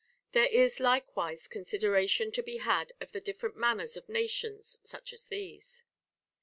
There is likewise consideration to be had of the different manners of nations, such as these.